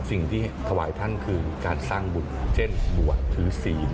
สิ่งที่หวายท่านคือการสร้างบุญเจษร์บวกดือกษี